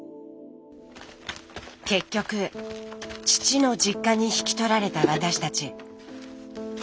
結局父の実家に引き取られた私たち。